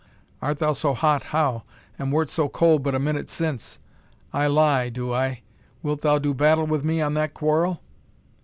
art thou so hot how, and wert so cold but a minute since? I lie, do I? Wilt thou do battle with me on that quarrel?"